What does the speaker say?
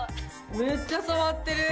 めっちゃ染まってる！